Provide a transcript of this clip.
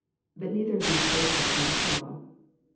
But neither of these places seem parallel.